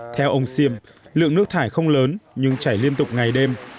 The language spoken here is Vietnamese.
theo ông siêm lượng nước thải không lớn nhưng chảy liên tục ngày đêm